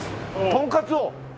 とんかつを！